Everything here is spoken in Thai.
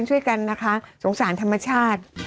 ช่วยกันนะคะสงสารธรรมชาติ